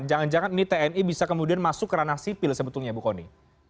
jangan jangan ini tni bisa kemudian masuk kerana sipil sebetulnya bu koni